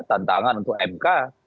tantangan untuk mk